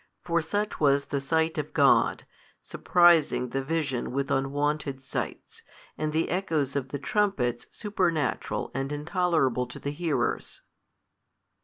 For such was the sight of God, surprising the vision with unwonted sights, and the echoes of the trumpets supernatural and intolerable to the hearers.